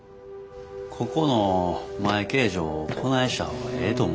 ここの前形状をこないした方がええと思うんです。